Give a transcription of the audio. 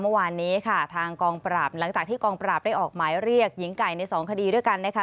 เมื่อวานนี้ค่ะทางกองปราบหลังจากที่กองปราบได้ออกหมายเรียกหญิงไก่ในสองคดีด้วยกันนะคะ